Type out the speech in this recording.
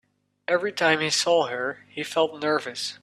Every time he saw her, he felt nervous.